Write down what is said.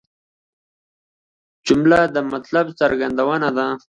جمله د مطلب څرګندونه ده.